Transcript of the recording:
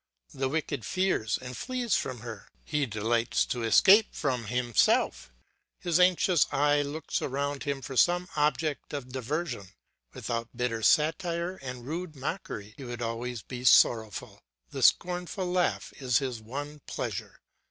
The wicked fears and flees from her; he delights to escape from himself; his anxious eyes look around him for some object of diversion; without bitter satire and rude mockery he would always be sorrowful; the scornful laugh is his one pleasure.